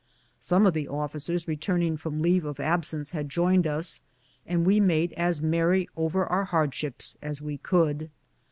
Some of the of ficers returning from leave of absence had joined us, and we made as merry over our hardships as we could.